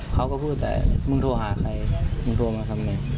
เขาก็พูดแต่มึงโทรหาใครมึงโทรมาทำไง